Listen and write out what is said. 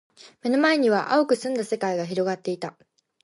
目の前には蒼く澄んだ世界が広がっていた。